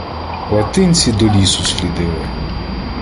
Латинці до лісу слідили